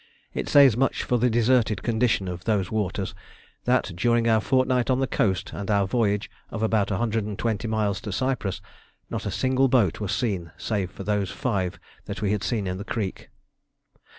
It says much for the deserted condition of those waters that during our fortnight on the coast and our voyage of about 120 miles to Cyprus not a single boat was seen save those five that we had seen in the creek.